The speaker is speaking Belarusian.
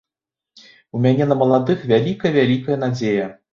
У мяне на маладых вялікая-вялікая надзея.